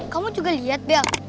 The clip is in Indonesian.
kamu juga liat bel